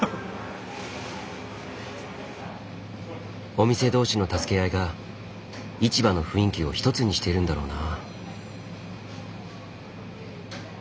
お店同士の助け合いが市場の雰囲気を一つにしているんだろうな。